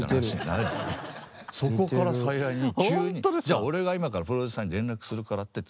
じゃ俺が今からプロデューサーに連絡するからって。